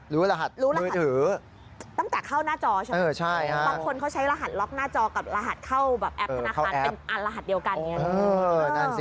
รู้รหัสมือถือรู้รหัส